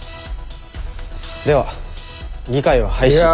では議会は廃止。